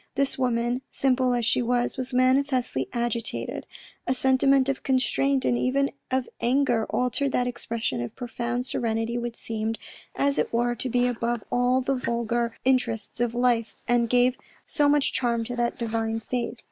This woman, simple as she was, was manifestly agitated ; a sentiment of constraint, and even of anger, altered that expression of profound serenity which seemed, as it were, to be above all the vulgar interests of life and gave so much charm to that divine face.